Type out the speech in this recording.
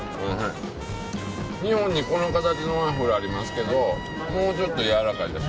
日本にこの形のワッフルありますけどもうちょっとやわらかいです。